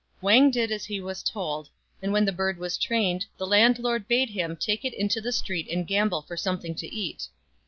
Wang did as he was told ; and when the bird was trained, the landlord bade him take it into the street and gamble for something to eat.